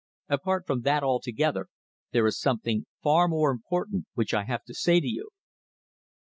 Apart from that altogether, there is something far more important which I have to say to you."